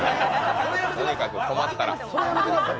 とにかく困ったら。